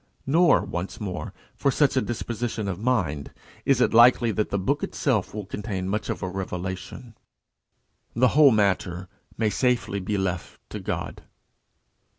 Nor, once more, for such a disposition of mind is it likely that the book itself will contain much of a revelation. The whole matter may safely be left to God.